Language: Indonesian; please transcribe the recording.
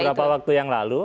beberapa waktu yang lalu